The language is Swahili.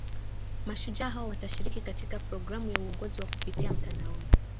mashujaa hao watashiriki katika programu ya uongozi ya kupitia mtandaoni